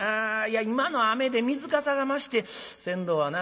今の雨で水かさが増して船頭はな